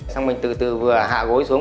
xong mình từ từ vừa hạ gối xuống